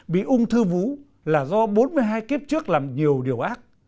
bị ung thư vú là do bốn mươi hai kiếp trước làm nhiều điều ác